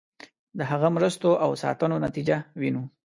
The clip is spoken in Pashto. د هغه مرستو او ساتنو نتیجه وینو.